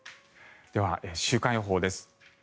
では、週間予報です。